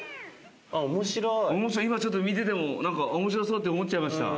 面白い今ちょっと見てても面白そうって思っちゃいました。